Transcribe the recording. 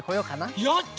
やった！